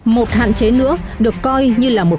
một hạn chế nữa được coi như là một